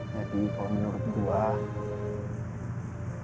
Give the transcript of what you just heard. jadi kalo menurut gue